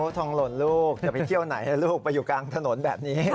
ทองหล่นลูกจะไปเที่ยวไหนลูกไปอยู่กลางถนนแบบนี้